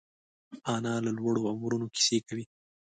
انا له لوړو عمرونو کیسې کوي